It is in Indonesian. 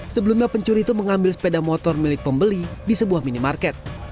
sebelumnya pencuri itu mengambil sepeda motor milik pembeli di sebuah minimarket